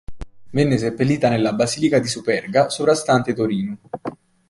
Venne seppellita nella basilica di Superga, sovrastante Torino.